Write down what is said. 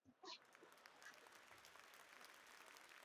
普遍的牧师及教会认为这段经文指不可跟不信或未信者结婚。